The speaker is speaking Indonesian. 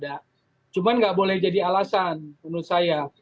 dan itu kan nggak boleh jadi alasan menurut saya